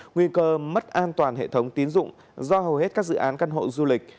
nguy cơ mất an toàn hệ thống tiến dụng do hầu hết các dự án căn hộ du lịch